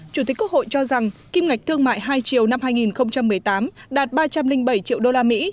chủ tịch quốc hội cho rằng kim ngạch thương mại hai triệu năm hai nghìn một mươi tám đạt ba trăm linh bảy triệu usd